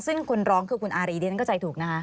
ซึ่งคุณร้องคือคุณอารีย์เดี๋ยวนั้นก็ใจถูกนะคะ